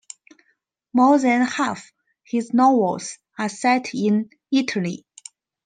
More than half his novels are set in Italy.